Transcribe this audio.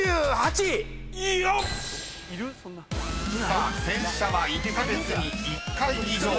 ［さあ洗車は１カ月に１回以上は？］